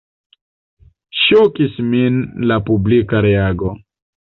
Ŝokis min la publika reago.